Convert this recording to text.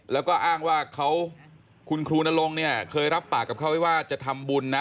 แล้วก็อ้างว่าเขาคุณครูนรงค์เนี่ยเคยรับปากกับเขาไว้ว่าจะทำบุญนะ